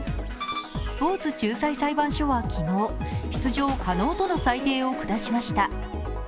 スポーツ仲裁裁判所は昨日、出場可能との裁定を下しました。